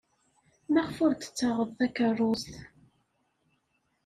Maɣef ur d-tessaɣeḍ takeṛṛust?